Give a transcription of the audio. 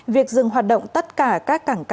việc dừng hoạt động tất cả các cảng cá